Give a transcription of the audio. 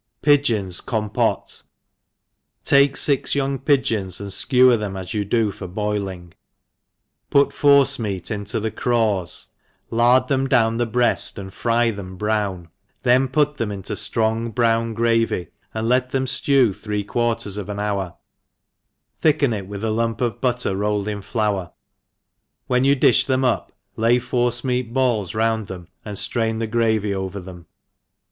Pigeons compote. TAKiE fix young pigeons and fkcwcr them as you do for boiling, put forcemeat into the craws, lard them down the breafl:, and fry them brown, then put them into a flirong brown gravy,' and let thehi ftew three quarters of an hour, thicken it with a lump of butter rolled in flour, K when. 130 THE EXPERIENCED when yoa difh them up, lay forcemeat balli round them, and ftrain the gravy over them.